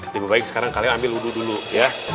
lebih baik sekarang kalian ambil wudhu dulu ya